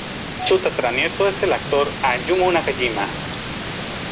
Su tataranieto es el actor Ayumu Nakajima.